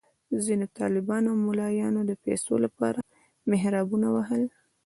ځینو طالبانو او ملایانو د پیسو لپاره محرابونه وهل.